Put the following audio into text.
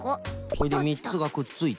それでみっつがくっついた。